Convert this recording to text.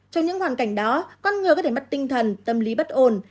trong những hoàn cảnh đó con người có thể mất tinh thần tâm lý bất ổn